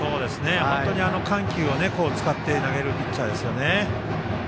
本当に緩急を使って投げるピッチャーですよね。